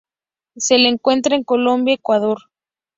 Se la encuentra en Colombia, Ecuador.